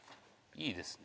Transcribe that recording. いいですね。